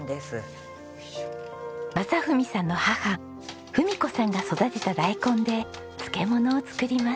正文さんの母文子さんが育てた大根で漬物を作ります。